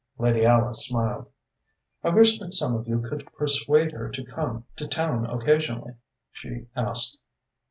Lady Alice smiled. "I wish that some of you could persuade her to come to town occasionally," she said.